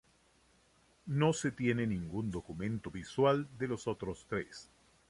No se tiene ningún documento visual de los otros tres.